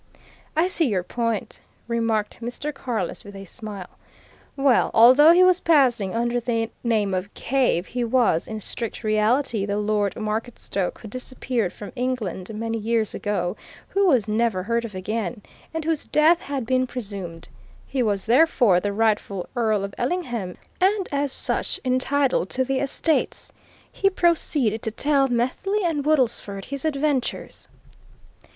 "I see your point," remarked Mr. Carless with a smile. "Well although he was passing under the name of Cave, he was, in strict reality, the Lord Marketstoke who disappeared from England many years ago, who was never heard of again, and whose death had been presumed. He was, therefore, the rightful Earl of Ellingham, and as such entitled to the estates. He proceeded to tell Methley and Woodlesford his adventures.